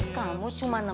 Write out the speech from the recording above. operasi itu lagi muganda